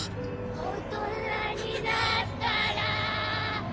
大人になったらぁ